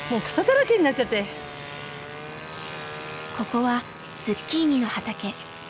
ここはズッキーニの畑。